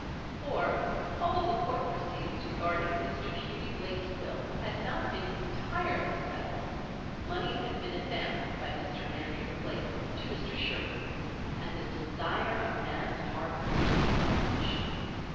For, although the court proceedings regarding Mr. Hughie Blake's will had not been entirely settled, money had been advanced by Mr. Andrew Blake to Mr. Sherwood and the desire of Nan's heart was to be accomplished.